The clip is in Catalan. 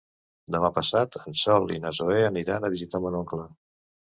Demà passat en Sol i na Zoè aniran a visitar mon oncle.